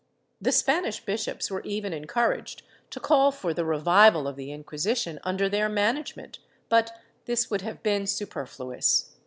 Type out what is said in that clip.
^ The Spanish bishops were even encouraged to call for the revival of the Inqui sition under their management, but this would have been super fluous.